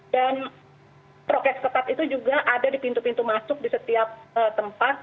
dan prokes ketat itu juga ada di pintu pintu masuk di setiap tempat